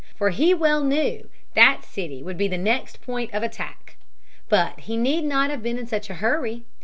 For he well knew that city would be the next point of attack. But he need not have been in such a hurry.